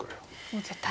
もう絶対。